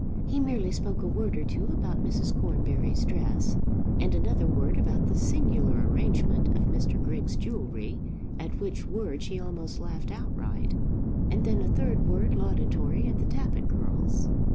He merely spoke a word or two about Mrs. Cornbury's dress, and another word about the singular arrangement of Mr. Griggs' jewellery, at which word she almost laughed outright, and then a third word laudatory of the Tappitt girls.